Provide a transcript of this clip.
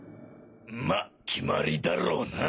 まあ決まりだろうな。